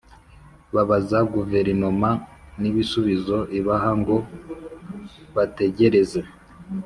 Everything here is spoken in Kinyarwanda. Babaza Guverinoma n’ ibisubizo ibaha ngo bategereze